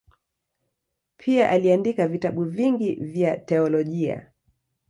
Pia aliandika vitabu vingi vya teolojia.